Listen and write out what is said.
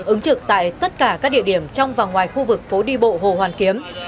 ứng trực tại tất cả các địa điểm trong và ngoài khu vực phố đi bộ hồ hoàn kiếm